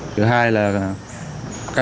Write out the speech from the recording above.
thứ hai là